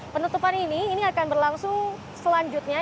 penutupan ini ini akan berlangsung selanjutnya